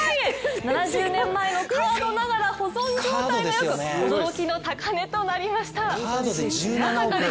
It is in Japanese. ７０年前のカードながら保存状態がよく驚きの高値となりました。